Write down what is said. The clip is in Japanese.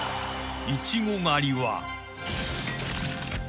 ［イチゴ狩りは］